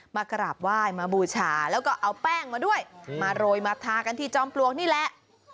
มากราบไหว้มาบูชาแล้วก็เอาแป้งมาด้วยมาโรยมาทากันที่จอมปลวกนี่แหละ